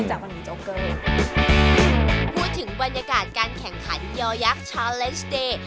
มันมีโจเกอร์พูดถึงบรรยากาศการแข่งขันยอยักษ์ชาเลนส์เดย์